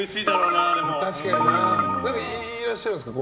いらっしゃるんですか？